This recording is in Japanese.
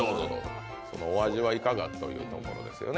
お味はいかがというところですね。